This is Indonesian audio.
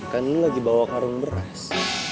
kan ini lagi bawa karung beras